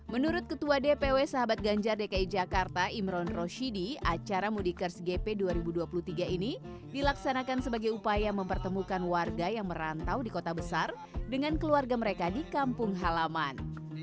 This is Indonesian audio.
menurut ketua dpw sahabat ganjar dki jakarta imron roshidi acara mudikers gp dua ribu dua puluh tiga ini dilaksanakan sebagai upaya mempertemukan warga yang merantau di kota besar dengan keluarga mereka di kampung halaman